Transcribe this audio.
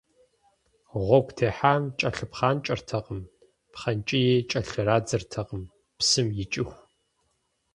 Гъуэгу техьам кӏэлъыпхъанкӏэртэкъым, пхъэнкӏии кӏэлърадзыртэкъым, псым икӏыху.